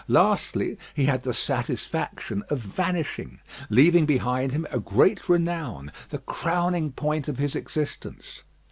Lastly, he had the satisfaction of vanishing, leaving behind him a great renown, the crowning point of his existence.